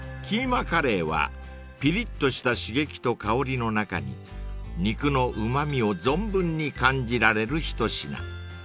［ピリッとした刺激と香りの中に肉のうま味を存分に感じられる一品］